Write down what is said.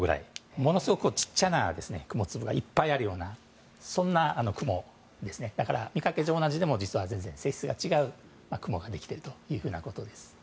ものすごく小さな雲粒がいっぱいあるようなそんな雲なので見かけ上、同じでも全然性質が違う雲ができているわけです。